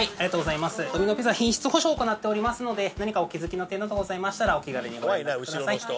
ドミノ・ピザ品質保証行っておりますので何かお気付きの点などございましたらご連絡ください。